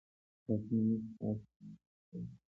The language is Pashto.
لاسونه مې ستا تر ملا تاو و